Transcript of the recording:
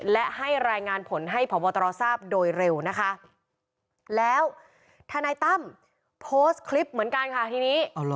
และให้รายงานผลให้พบตรทราบโดยเร็วนะคะแล้วทนายตั้มโพสต์คลิปเหมือนกันค่ะทีนี้